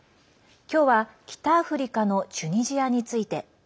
今日は北アフリカのチュニジアについて。